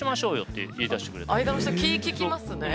間の人気利きますね。